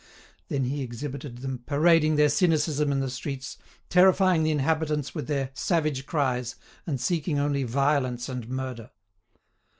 Then he exhibited them "parading their cynicism in the streets, terrifying the inhabitants with their savage cries and seeking only violence and murder."